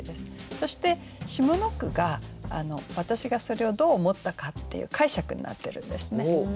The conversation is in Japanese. そして下の句が私がそれをどう思ったかっていう解釈になってるんですね。